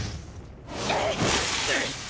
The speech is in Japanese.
うっ！